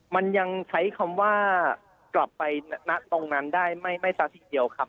มันยังใช้คำว่ากลับไปณตรงนั้นได้ไม่ซะทีเดียวครับ